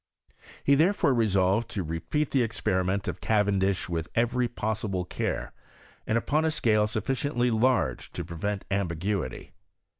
He therefore resolved to repeat the experiment of Cavendish with every possible caic, and upon, ft scale sufHciently large to prevent ambiguity.